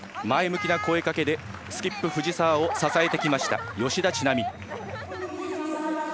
前向きな声かけでスキップ、藤澤を支えてきました、吉田知那美。